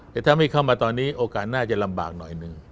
แต่ถ้าไม่เข้ามาตอนนี้โอกาสน่าจะลำบากหน่อยหนึ่ง